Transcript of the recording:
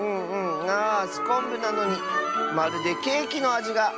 あすこんぶなのにまるでケーキのあじが。